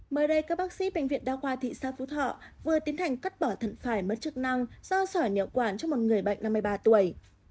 mới đây các bác sĩ bệnh viện đa khoa thị xã phú thọ vừa tiến hành cắt bỏ thận phải mất chức năng do sỏi nhọ quản cho một người bệnh năm mươi ba tuổi